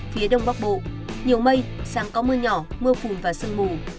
phía đông bắc bộ nhiều mây sáng có mưa nhỏ mưa phùm và sơn mù